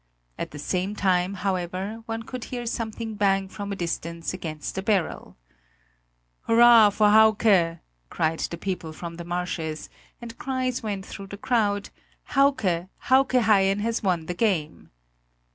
At the same time, however, one could hear something bang from a distance against the barrel. "Hurrah for Hauke!" called the people from the marshes, and cries went through the crowd: "Hauke! Hauke Haien has won the game!"